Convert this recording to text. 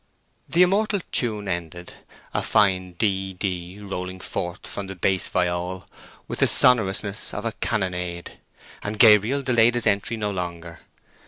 The immortal tune ended, a fine DD rolling forth from the bass viol with the sonorousness of a cannonade, and Gabriel delayed his entry no longer.